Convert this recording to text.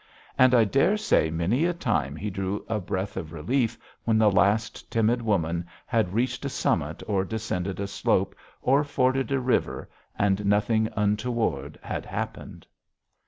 And I dare say many a time he drew a breath of relief when the last timid woman had reached a summit or descended a slope or forded a river, and nothing untoward had happened.